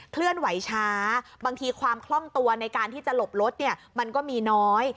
เคลื่อนไหวช้าบางทีความคล่องตัวในการที่จะหลบรถเนี่ยมันก็มีน้อย